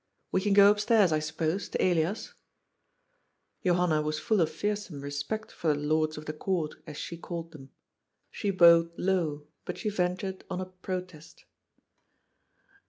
" We can go up stairs, I suppose, to Elias ?" Johanna was full of fearsome respect for the '' Lords of the Court," as she called them. She bowed low, but she ventured on a protest.